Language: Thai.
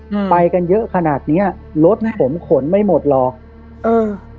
อืมไปกันเยอะขนาดเนี้ยรถเนี้ยผมขนไม่หมดหรอกเออ